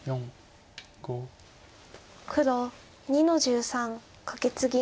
黒２の十三カケツギ。